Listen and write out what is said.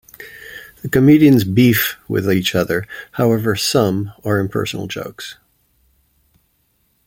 The comedians "beef" with each other; however, some are impersonal jokes.